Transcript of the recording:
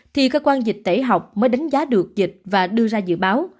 thì cơ quan dịch tễ học mới đánh giá được dịch và đưa ra dự báo